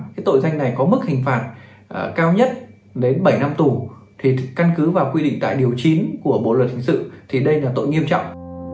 cái tội danh này có mức hình phạt cao nhất đến bảy năm tù thì căn cứ vào quy định tại điều chín của bộ luật hình sự thì đây là tội nghiêm trọng